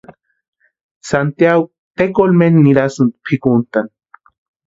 Santiagu tekolmena nirasti pʼikuntani.